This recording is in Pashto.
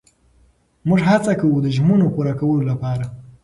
موږ هڅه کوو د ژمنو پوره کولو لپاره.